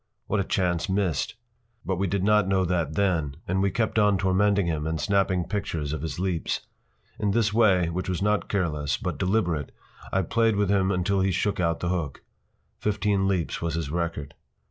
What a chance missed! But we did not know that then, and we kept on tormenting him and snapping pictures of his leaps. In this way, which was not careless, but deliberate, I played with him until he shook out the hook. Fifteen leaps was his record.